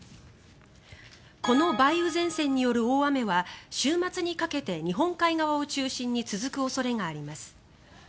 この梅雨前線による大雨は週末にかけて日本海側を中心に続く恐れがあります。